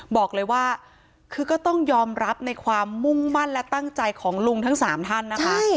บอกเลยว่าคือก็ต้องยอมรับในความมุ่งมั่นและตั้งใจของลุงทั้ง๓ท่านนะคะ